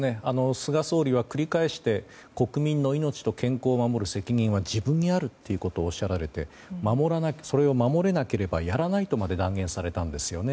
菅総理は繰り返して国民の命と健康を守る責任は自分にあるということを繰り返しおっしゃられてそれを守れなければやらないとまで断言されたんですよね。